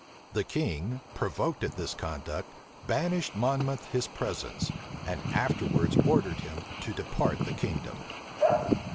The king, provoked at this conduct, banished Monmouth his presence, and afterwards ordered him to depart the kingdom.